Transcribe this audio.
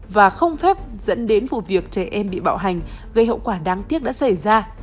và không phép dẫn đến vụ việc trẻ em bị bạo hành gây hậu quả đáng tiếc đã xảy ra